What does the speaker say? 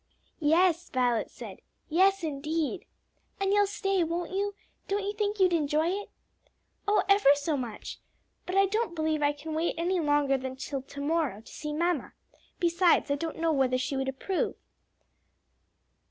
"Yes," Violet said; "yes, indeed." "And you'll stay, won't you? Don't you think you'd enjoy it?" "Oh, ever so much! but I don't believe I can wait any longer than till to morrow to see mamma. Besides, I don't know whether she would approve."